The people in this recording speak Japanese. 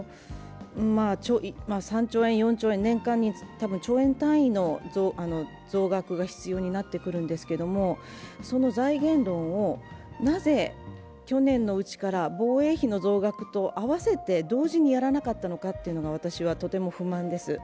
３兆円、４兆円、多分年間に兆円単位の財源が必要になってくるんですけれども、その財源論をなぜ去年のうちから防衛費の増額と併せて同時にやらなかったのかというのが私はとても不満です。